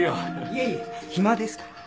いえいえ暇ですから。